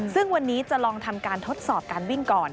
ซึ่งวันนี้จะลองทำการทดสอบการวิ่งก่อน